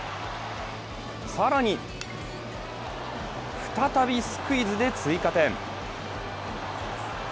更に、再びスクイズで追加点。